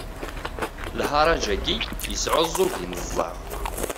Lharaǧ-agi yesɛuẓug imeẓaɣ.